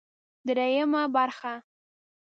درېيمه برخه